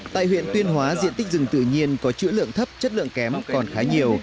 tại huyện tuyên hóa diện tích rừng tự nhiên có chữ lượng thấp chất lượng kém còn khá nhiều